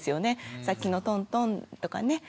さっきのトントンとかね